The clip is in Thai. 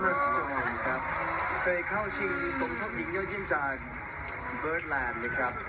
เคยเข้าชีวิตที่สมทบดินเยอะเยี่ยมจากเบิร์ดแลมป์